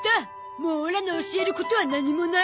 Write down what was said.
もうオラの教えることは何もない。